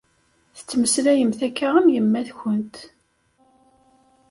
Tettmeslayemt akka am yemma-tkent.